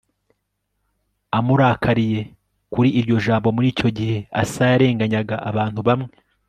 amurakariye kuri iryo jambo Muri icyo gihe Asa yarenganyaga abantu bamwe